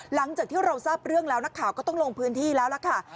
หลังจากที่เราทราบเรื่องแล้วนักข่าวก็ต้องลงพื้นที่แล้วล่ะค่ะ